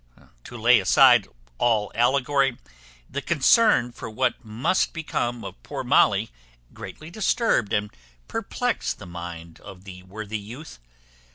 To lay aside all allegory, the concern for what must become of poor Molly greatly disturbed and perplexed the mind of the worthy youth.